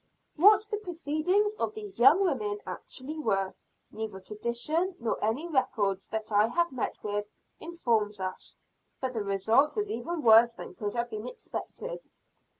What the proceedings of these young women actually were, neither tradition nor any records that I have met with, informs us; but the result was even worse than could have been expected.